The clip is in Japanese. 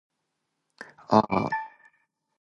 あー。